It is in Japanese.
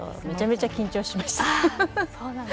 めちゃめちゃ緊張しました。